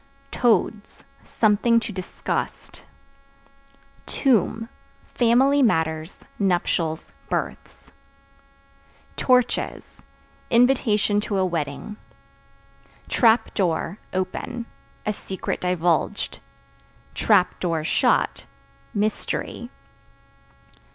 Toads Something to disgust. Tomb Family matters, nuptials, births. Torches Invitation to a wedding. Trap Door (Open) a secret divulged; (shut) mystery.